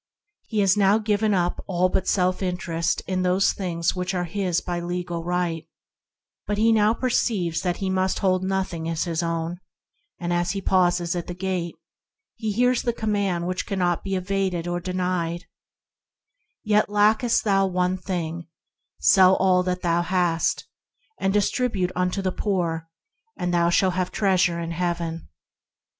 He has now given up all but self interest in the things that are his by legal right, but he now perceives that he must hold nothing as his own; and as he pauses at the Gate, he hears the command which cannot be evaded or denied, "Yet lackest thou one thing; sell all that thou hast, and distribute unto the E.K. 5] 64 ENTERING THE KINGDOM poor, and thou shalt have treasure in Heaven."